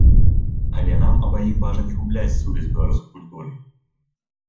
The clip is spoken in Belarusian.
Але нам абаім важна не губляць сувязь з беларускай культурай.